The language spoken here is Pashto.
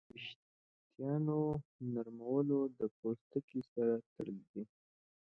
د وېښتیانو نرموالی د پوستکي سره تړلی دی.